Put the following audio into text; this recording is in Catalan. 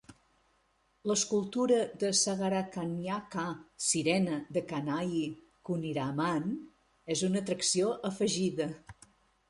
L'escultura de Sagarakanyaka - Sirena de Kanayi Kunhiraman és una atracció afegida.